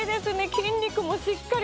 筋肉もしっかり。